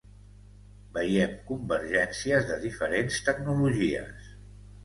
Veiem convergències de diferents tecnologies.